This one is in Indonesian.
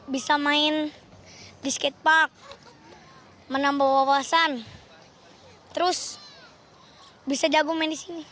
bisa main di skatepark menambah wawasan terus bisa jago main di sini